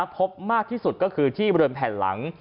พบมากที่สุดก็คือที่บริเวณแผ่นหลัง